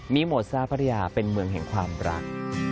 มีโมซ่าพัทยาเป็นเมืองแห่งความรัก